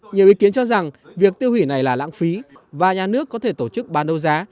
nhiều ý kiến cho rằng việc tiêu hủy này là lãng phí và nhà nước có thể tổ chức bán đấu giá